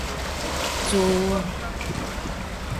苴